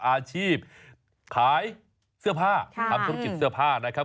อาชีพขายเสื้อผ้าทำธุรกิจเสื้อผ้านะครับ